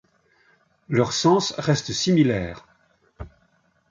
Leur sens reste similaire.